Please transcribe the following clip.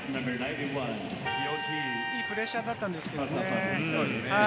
いいプレッシャーだったんですけれどもね。